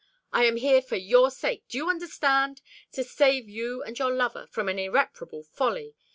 "I am here for your sake, do you understand? to save you and your lover from an irreparable folly.